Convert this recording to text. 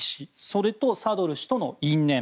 それとサドル師との因縁